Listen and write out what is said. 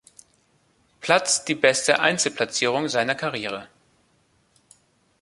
Platz die beste Einzelplatzierung seiner Karriere.